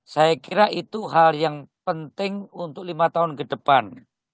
saya kira itu hal yang penting untuk lima tahun ke depan